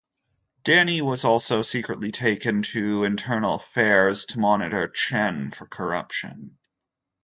Danny was also secretly tasked by Internal Affairs to monitor Chen for corruption.